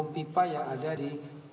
pipa yang ada di